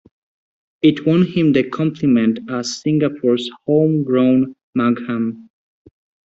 It won him the compliment as Singapore's "home-grown Maugham".